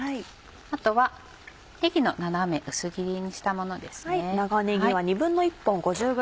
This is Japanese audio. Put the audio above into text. あとはねぎの斜め薄切りにしたものですね。